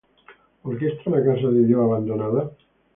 ¿Por qué está la casa de Dios abandonada?